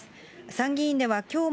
参議院ではきょうも、